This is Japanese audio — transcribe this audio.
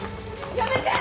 やめて！